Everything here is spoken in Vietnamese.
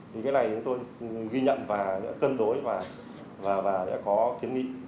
thì cái này tôi ghi nhận và cân đối và đã có kiến nghị